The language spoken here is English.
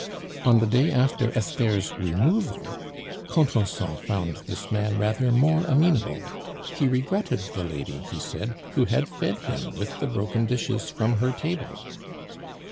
On the day after Esther's removal, Contenson found this man rather more amenable; he regretted the lady, he said, who had fed him with the broken dishes from her table.